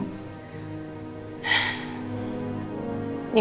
lagi menghindari mbak andin buat ketemu sama pak nino